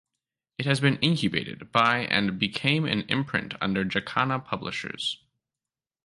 It had been incubated by and became an imprint under Jacana Publishers.